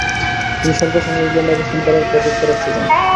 তিনি স্বল্প সময় ইংল্যান্ডে অবস্থান করার পর যুক্তরাষ্টে যান।